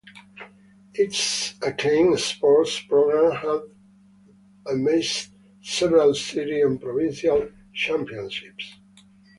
Its acclaimed sports programs have amassed several city and provincial championships.